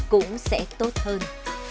cũng sẽ tốt hơn